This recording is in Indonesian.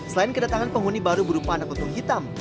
selain kedatangan penghuni baru berupa anak utung hitam